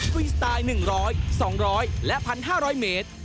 ฟรีสไตล์๑๐๐๒๐๐และ๑๕๐๐เมตร